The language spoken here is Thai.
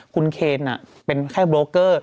คุณเคนเป็นแค่โบรกเกอร์